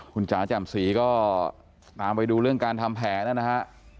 คุณจ๋าจ่ำศรีก็น้ำไปดูเรื่องการทำแผนแล้วนะฮะ